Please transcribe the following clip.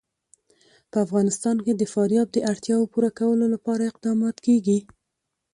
په افغانستان کې د فاریاب د اړتیاوو پوره کولو لپاره اقدامات کېږي.